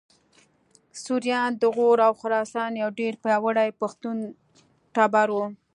سوریان د غور او خراسان یو ډېر پیاوړی پښتون ټبر و